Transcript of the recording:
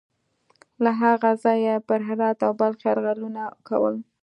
له هغه ځایه یې پر هرات او بلخ یرغلونه کول.